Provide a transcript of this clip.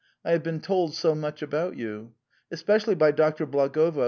" I have heard so much about you. Especially from Doctor Blagovo.